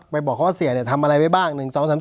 ไปบอกเขาว่าเสียเนี่ยทำอะไรไว้บ้าง